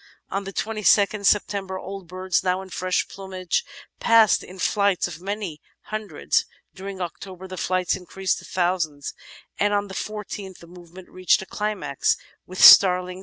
On the 22nd September old birds, now in fresh plumage, passed in flights of many himdreds. During October the flights increased to thousands, and on the 14th the movement reached a climax with ''starlings in hundreds of Pholn; F.